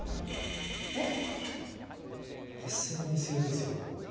ＳＮＳ用ですよ。